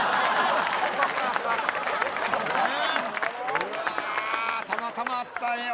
うわたまたまあったんや。